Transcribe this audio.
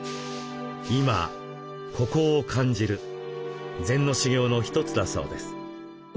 「今ここを感じる」禅の修行の一つだそうです。